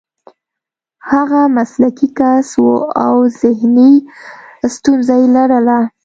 هغه مسلکي کس و او ذهني ستونزه یې لرله